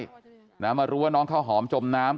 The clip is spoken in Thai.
นะมารู้ว่าน้องข้าวหอมจมน้ำ